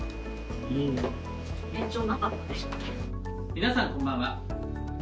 皆さん、こんばんは。